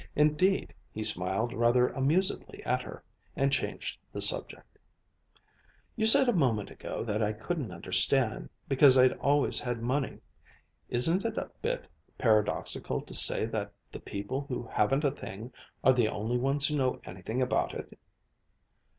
Indeed, he smiled rather amusedly at her, and changed the subject. "You said a moment ago that I couldn't understand, because I'd always had money. Isn't it a bit paradoxical to say that the people who haven't a thing are the only ones who know anything about it?"